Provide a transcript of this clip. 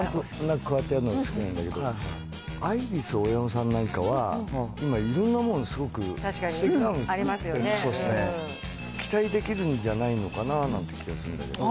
こうやって作るのが好きなんだけど、アイリスオーヤマさんなんかは、今、いろんなもの、すごく、すてきなの。期待できるんじゃないのかななんて気がするんだけど。